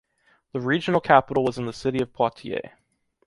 The regional capital was in the city of Poitiers.